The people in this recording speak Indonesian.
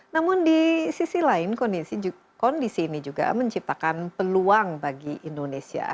namun di sisi lain kondisi ini juga menciptakan peluang bagi indonesia